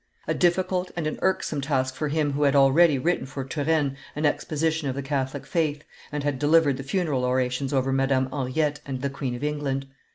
A difficult and an irksome task for him who had already written for Turenne an exposition of the Catholic faith, and had delivered the funeral orations over Madame Henriette and the Queen of England.